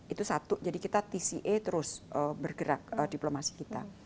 itu satu jadi kita tca terus bergerak diplomasi kita